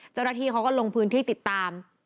เจ้าหน้าที่เขาก็ลงพื้นที่ติดตาม